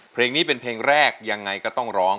เพลงนี้เป็นเพลงแรกยังไงก็ต้องร้อง